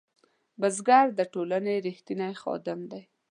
بزګر د ټولنې رښتینی خادم دی